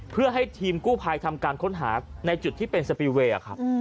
เพื่อให้ทีมกู้ภัยทำการค้นหาในจุดที่เป็นสปิลเวย์ครับ